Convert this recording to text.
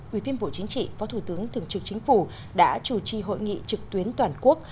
quy viên bộ chính trị phó thủ tướng thường trực chính phủ đã chủ trì hội nghị trực tuyến toàn quốc